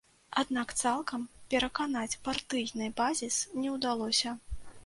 Аднак цалкам пераканаць партыйны базіс не ўдалося.